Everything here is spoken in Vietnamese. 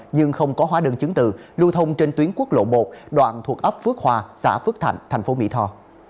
nhưng không có hóa đơn chứng từ lưu thông trên tuyến quốc lộ một đoạn thuộc ấp phước hòa xã phước thạnh tp mỹ tho